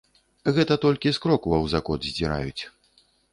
Гэта толькі з крокваў закот здзіраюць.